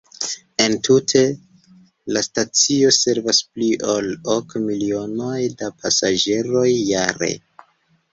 Entute, la stacio servas pli ol ok milionoj da pasaĝeroj jare.